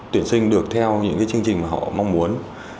tuyển sinh được theo những chương trình mà họ mong muốn